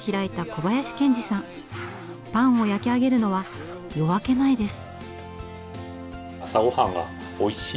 パンを焼き上げるのは夜明け前です。